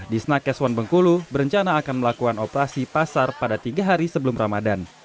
di snakeswan bengkulu berencana akan melakukan operasi pasar pada tiga hari sebelum ramadan